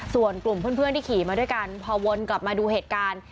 ส่วนกลุ่มเพื่อนที่ขี่มาด้วยกันพอวนกลับมาดูเหตุการณ์